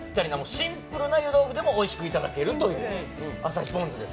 シンプルな湯豆腐でもおいしくいただける旭ポンズです。